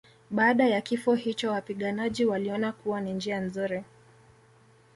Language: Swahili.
Baada ya kifo hicho wapiganaji waliona kuwa ni njia nzuri